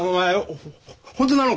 本当なのか？